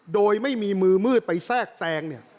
โดยไม่มีมือมืดไปแทรกแทรง